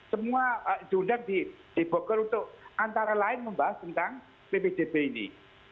semua diundang diboker untuk antara lain membahas tentang pbdb ini